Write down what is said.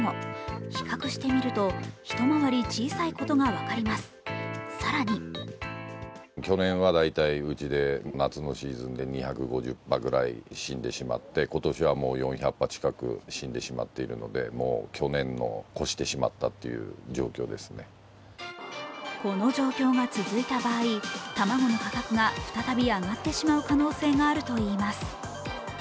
比較してみると、一回り小さいことが分かります、更にこの状況が続いた場合卵の価格が再び上がってしまう可能性があるといいます。